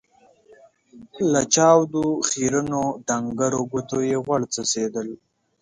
له چاودو، خيرنو ، ډنګرو ګوتو يې غوړ څڅېدل.